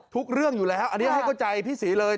เรื่องอยู่แล้วอันนี้ให้เข้าใจพี่ศรีเลย